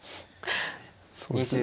そうですね。